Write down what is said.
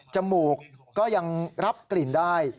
มูกก็ยังรับกลิ่นได้